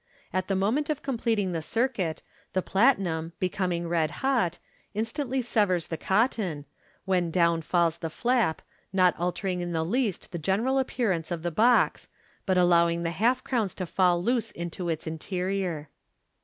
At the moment of completing the circuit, the pla tinum, becoming red hot, instantly severs the cotton, when down falls the flap, not altering in the least the general appearance of the box, but allowing the half crowns to fall loose into its interior.